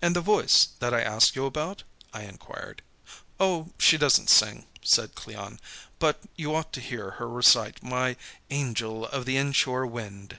"And the Voice that I asked you about?" I inquired. "Oh, she doesn't sing," said Cleon. "But you ought to hear her recite my 'Angel of the Inshore Wind.'"